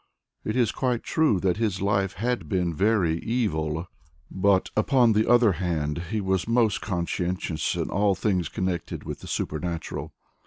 It is quite true that his life had been very evil, but, upon the other hand, he was most conscientious in all things connected with the supernatural.